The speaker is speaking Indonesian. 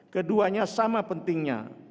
keduanya sama pentingnya